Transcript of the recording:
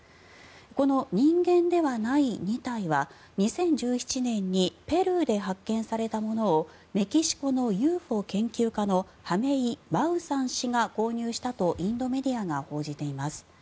この人間ではない２体は２０１７年にペルーで発見されたものをメキシコのＵＦＯ研究家のハイメ・マウサン氏が購入したとインドメディアが報じています。